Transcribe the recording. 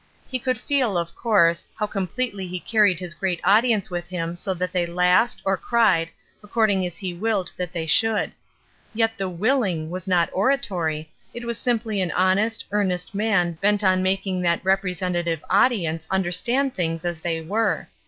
He could feel, of course, how completely he carried his great audience with him so that they laughed, or cried, according as he willed that they should ; yet the willing was not oratory, it was simply an honest, earnest man bent on making that representative audience understand things as they were.